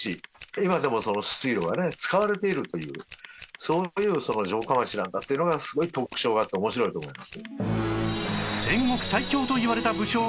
今でもその水路がね使われているというそういう城下町なんだっていうのがすごい特徴があって面白いと思います。